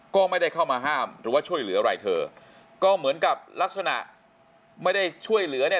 ก็ไม่ได้เข้ามาห้ามหรือว่าช่วยเหลืออะไรเธอก็เหมือนกับลักษณะไม่ได้ช่วยเหลือเนี่ย